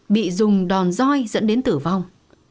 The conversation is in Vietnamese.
bị dùng đòn doi dẫn đến tử vong